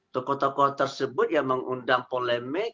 tokoh tokoh tersebut yang mengundang polemik